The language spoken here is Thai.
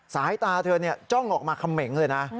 สายตาเธอจ้องออกมาเขม่งเลยนะ